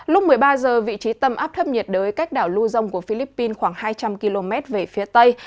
lúc một mươi ba h vị trí tâm áp thấp nhiệt đới cách đảo lưu dông của philippines khoảng hai trăm linh km về phía tây